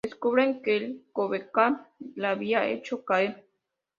Descubren que el Covenant la había hecho caer.